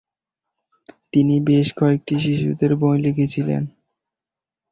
তিনি বেশ কয়েকটি শিশুদের বই লিখেছিলেন।